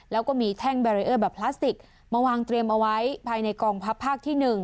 แล้วก็มีแท่งแบรีเออร์แบบพลาสติกมาวางเตรียมเอาไว้ภายในกองทัพภาคที่๑